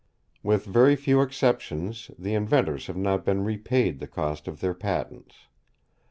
With very few exceptions the inventors have not been repaid the cost of their patents.